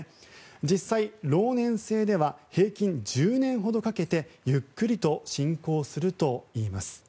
実際、老年性では平均１０年ほどかけてゆっくりと進行するといいます。